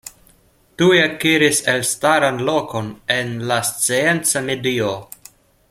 Tuj akiris elstaran lokon en la scienca medio.